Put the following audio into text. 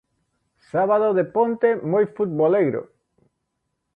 Sábado de ponte moi futboleiro.